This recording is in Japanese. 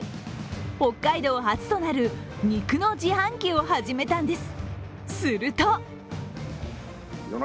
北海道初となる肉の自販機を始めたんです。